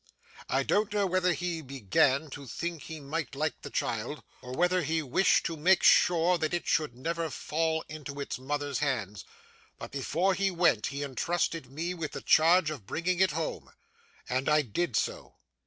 I don't know whether he began to think he might like the child, or whether he wished to make sure that it should never fall into its mother's hands; but, before he went, he intrusted me with the charge of bringing it home. And I did so.